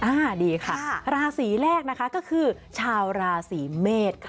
อ่าดีค่ะราศีแรกนะคะก็คือชาวราศีเมษค่ะ